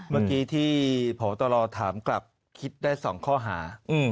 เมื่อกี้ที่พบตรถามกลับคิดได้๒ข้อหา